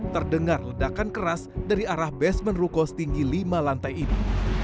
terdengar ledakan keras dari arah basement ruko setinggi lima lantai ini